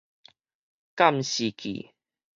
監視器